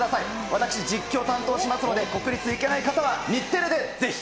私、実況担当しますので、国立行けない方は日テレでぜひ。